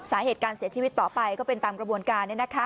สาเหตุการเสียชีวิตต่อไปก็เป็นตามกระบวนการ